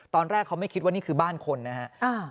ตอนแรกเขาไม่คิดว่านี่คือบ้านคนนะฮะ